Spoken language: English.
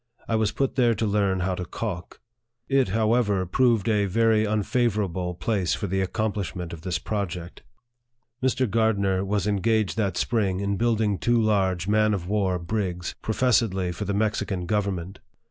I was put there to learn how to calk. It, however, proved a very unfavorable place for the accomplishment of this object. Mr 94 NARRATIVE OF THE Gardner was engaged that spring in building two large man of war brigs, professedly for the Mexican govern ment.